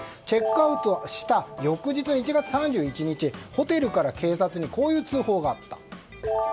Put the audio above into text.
チェックアウトした翌日１月３１日、ホテルから警察にこういう通報があった。